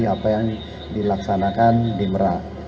apa yang dilaksanakan di merak